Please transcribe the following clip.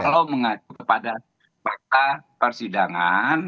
kalau mengacu pada fakta persidangan